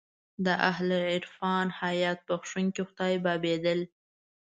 د اهل عرفان الهیات بخښونکی خدای بابېدل.